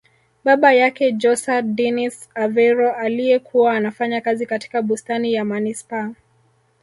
Baba yake JosÃ Dinis Aveiro aliye kuwa anafanya kazi katika bustani ya manispaa